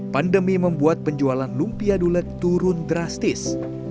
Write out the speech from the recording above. pandemi membuat penjualan lumpia dulek turun drastis